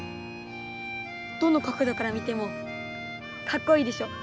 どの角どから見てもカッコいいでしょ。